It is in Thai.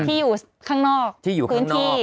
ที่อยู่ข้างนอกคุณที่ที่อยู่ข้างนอก